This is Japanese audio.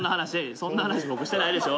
そんな話、僕してないでしょ。